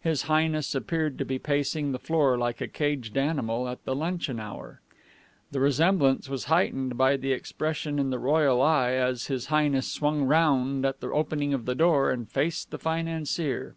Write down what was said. His Highness appeared to be pacing the floor like a caged animal at the luncheon hour. The resemblance was heightened by the expression in the royal eye as His Highness swung round at the opening of the door and faced the financier.